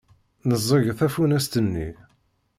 Neẓẓeg tafunast-nni.